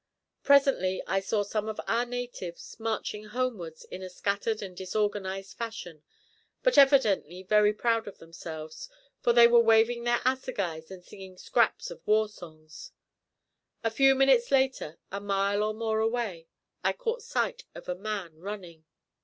Presently I saw some of our natives marching homewards in a scattered and disorganised fashion, but evidently very proud of themselves, for they were waving their assegais and singing scraps of war songs. A few minutes later, a mile or more away, I caught sight of a man running.